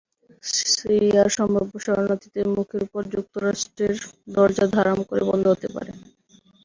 সিরিয়ার সম্ভাব্য শরণার্থীদের মুখের ওপর যুক্তরাষ্ট্রের দরজা দড়াম করে বন্ধ হতে পারে।